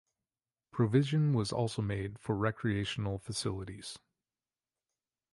Provision was also made for recreational facilities.